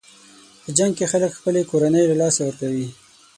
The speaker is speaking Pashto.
په جنګ کې خلک خپلې کورنۍ له لاسه ورکوي.